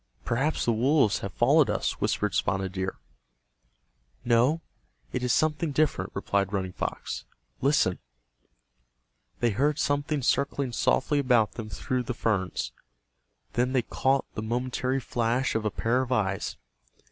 "Perhaps the wolves have followed us," whispered Spotted Deer. "No, it is something different," replied Running Fox. "Listen." They heard something circling softly about them through the ferns. Then they caught the momentary flash of a pair of eyes.